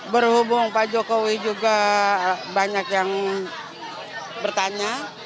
berhubung pak jokowi juga banyak yang bertanya